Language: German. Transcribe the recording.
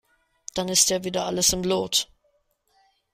Dann ist ja wieder alles im Lot.